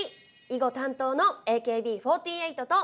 囲碁担当のＡＫＢ４８と！